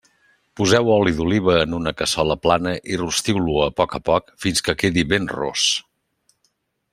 Poseu oli d'oliva en una cassola plana i rostiu-lo, a poc a poc, fins que quedi ben ros.